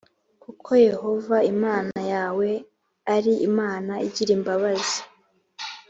Kuko Yehova Imana yawe ari Imana igira imbabazi.